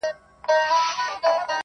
ټولنه لا هم زده کړه کوي.